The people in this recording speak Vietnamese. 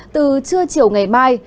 từ trưa chiều ngày mai